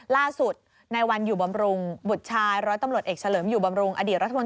ล่าสุดในวันอยู่บำรุงบุตรชายร้อยตำรวจเอกเฉลิมอยู่บำรุงอดีตรัฐมนตรี